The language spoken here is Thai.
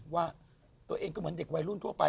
ว่าตัวเองก็เหมือนเด็กวัยรุ่นทั่วไป